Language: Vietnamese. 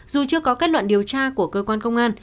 dù chưa có kết luận điều tra của cơ quan công an